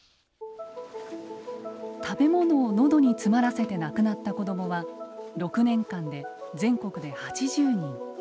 食べ物をのどに詰まらせて亡くなった子どもは６年間で全国で８０人。